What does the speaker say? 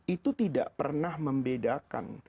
itu tidak pernah membedakan